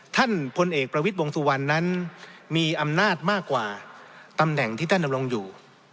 ท่านพลเอกประวิทย์วงสุวรรณนั้นมีอำนาจมากกว่าตำแหน่งที่ท่านดำรงอยู่